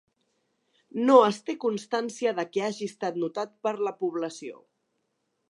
No es té constància de què hagi estat notat per la població.